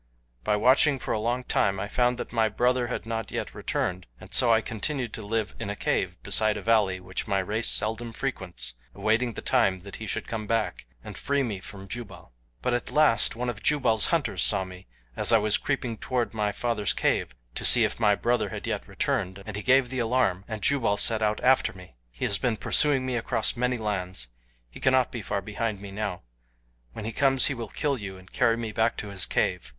By watching for a long time I found that my brother had not yet returned, and so I continued to live in a cave beside a valley which my race seldom frequents, awaiting the time that he should come back and free me from Jubal. "But at last one of Jubal's hunters saw me as I was creeping toward my father's cave to see if my brother had yet returned and he gave the alarm and Jubal set out after me. He has been pursuing me across many lands. He cannot be far behind me now. When he comes he will kill you and carry me back to his cave.